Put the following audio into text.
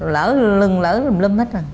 lỡ lưng lỡ lùm lùm hết rồi